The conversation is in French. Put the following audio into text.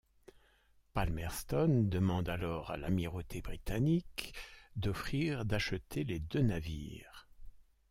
Palmerston demande alors à l'Amirauté britannique d'offrir d'acheter les deux navires.